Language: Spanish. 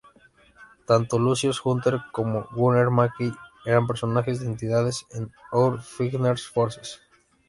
Tanto Lucius Hunter como Gunner Mackey eran personajes de entidad en "Our Fighting Forces".